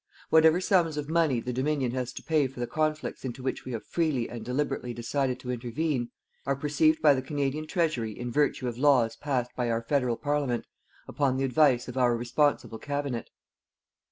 Whatever sums of money the Dominion has to pay for the conflicts into which we have freely and deliberately decided to intervene, are perceived by the Canadian treasury in virtue of laws passed by our federal Parliament upon the advice of our responsible Cabinet.